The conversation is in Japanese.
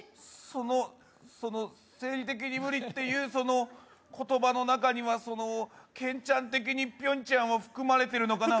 そのその生理的に無理っていうその言葉のなかにはそのケンちゃん的にピョンちゃんは含まれてるのかな